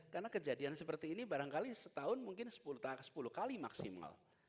karena kejadian seperti ini barangkali setahun mungkin sepuluh kali maksimal